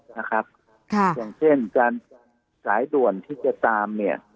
อย่างเช่นการสายดรวนที่จะตาม